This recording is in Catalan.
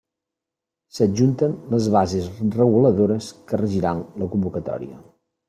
S'adjunten les bases reguladores que regiran la convocatòria.